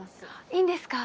いいんですか？